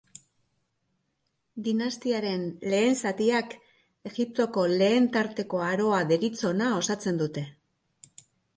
Dinastiaren lehen zatiak, Egiptoko lehen tarteko aroa deritzona osatzen dute.